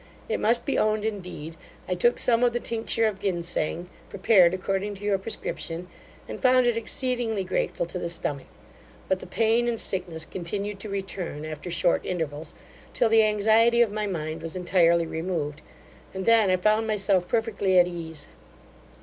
It must be owned, indeed, I took some of the tincture of ginseng, prepared according to your prescription, and found it exceedingly grateful to the stomach; but the pain and sickness continued to return, after short intervals, till the anxiety of my mind was entirely removed, and then I found myself perfectly at case.